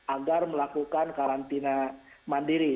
agar melakukan karantina mandiri